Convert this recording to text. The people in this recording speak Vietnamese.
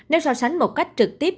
nếu so sánh một cách trực tiếp